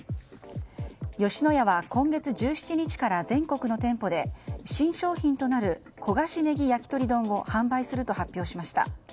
吉野家は今月１７日から全国の店舗で新商品となる焦がしねぎ焼き鳥丼を販売すると発表しました。